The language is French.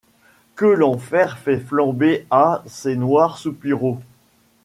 Que l'enfer fait flamber à, ses noirs soupiraux ;